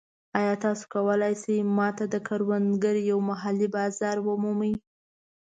ایا تاسو کولی شئ ما ته د کروندګرو یو محلي بازار ومومئ؟